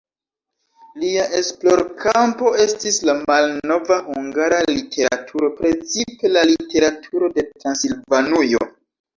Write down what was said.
Lia esplorkampo estis la malnova hungara literaturo, precipe la literaturo de Transilvanujo.